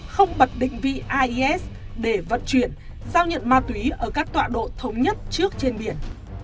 không bật định vị ais để vận chuyển giao nhận ma túy ở các tọa độ thống nhất trước trên biển